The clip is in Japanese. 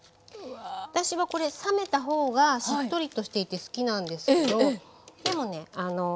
私はこれ冷めた方がしっとりとしていて好きなんですけどでもね